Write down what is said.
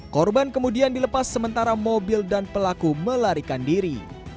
korban kemudian dilepas sementara mobil dan pelaku melarikan diri